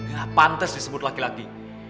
ya pantas disebut laki laki